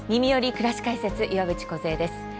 くらし解説」岩渕梢です。